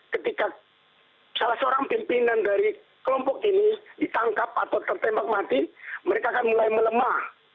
ketika salah seorang pimpinan dari kelompok ini ditangkap atau tertembak mati mereka akan mulai melemah